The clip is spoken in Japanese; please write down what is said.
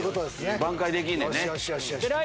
挽回できんねんね。